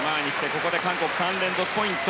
ここで韓国、３連続ポイント。